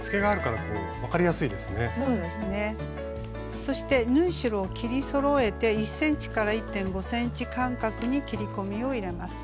そして縫い代を切りそろえて１ｃｍ１．５ｃｍ間隔に切り込みを入れます。